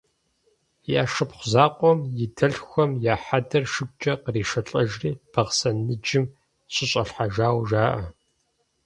Я шыпхъу закъуэм и дэлъхухэм я хьэдэр шыгукӏэ къришэлӏэжри, Бахъсэн ныджэм щыщӏилъхьэжауэ жаӏэ.